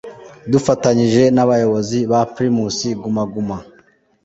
dufatanyije n’abayobozi ba pirimusi gumaguma